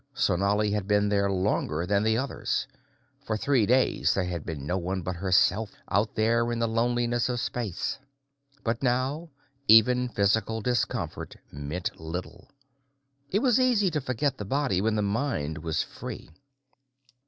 Sonali had been there longer than the others for three days, there had been no one but herself out there in the loneliness of space. But now, even physical discomfort meant little; it was easy to forget the body when the mind was free.